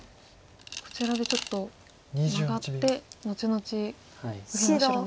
こちらでちょっとマガって後々右辺の白を。